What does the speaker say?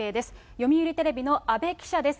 読売テレビの阿部記者です。